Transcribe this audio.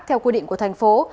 theo quy định của thành phố